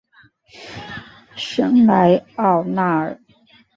圣莱奥纳尔。